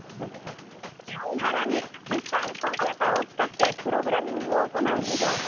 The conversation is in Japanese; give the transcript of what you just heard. さらに、実際にコンピューターを使ってプログラミングを行う授業も。